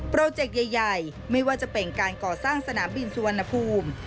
เจกต์ใหญ่ไม่ว่าจะเป็นการก่อสร้างสนามบินสุวรรณภูมิ